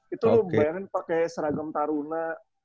itu lo bayangin pakai seragam taruna